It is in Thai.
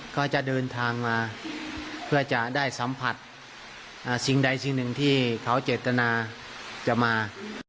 ก็จะเดินทางมาเพื่อจะได้สัมผัสสิ่งใดสิ่งหนึ่งที่เขาเจตนาจะมา